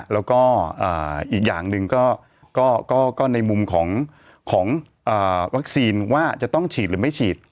แล้วก็อีกอย่างหนึ่งก็ในมุมของวัคซีนว่าจะต้องฉีดหรือไม่ฉีด